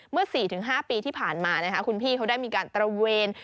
๔๕ปีที่ผ่านมาคุณพี่เขาได้มีการตระเวน